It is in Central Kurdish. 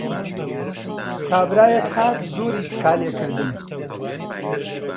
کابرایەک هات زۆری تکا لێ کردم: